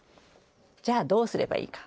じゃあどうすればいいか？